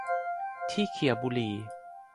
ที่เขี่ยบุหรี่